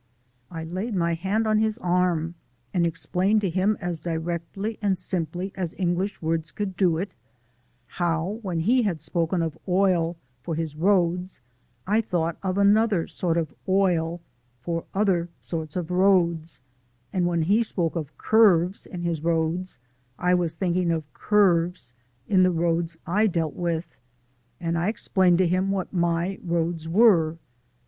I laid my hand on his arm, and explained to him as directly and simply as English words could do it, how, when he had spoken of oil for his roads, I thought of another sort of oil for another sort of roads, and when he spoke of curves in his roads I was thinking of curves in the roads I dealt with, and I explained to him what my roads were.